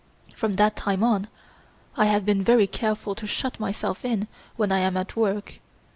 From that time on I have been very careful to shut myself in when I am at work.